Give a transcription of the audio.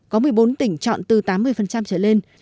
có một mươi bốn tỉnh chọn từ tám mươi trở lên